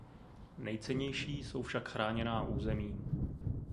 Nejcennější jsou však chráněná území.